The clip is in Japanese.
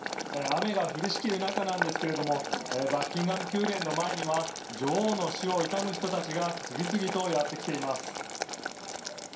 雨が降りしきる中なんですけどもバッキンガム宮殿の前には女王の死を悼む人たちが次々とやってきています。